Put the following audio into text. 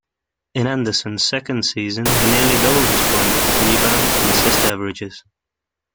In Anderson's second season he nearly doubled his point, rebound, and assist averages.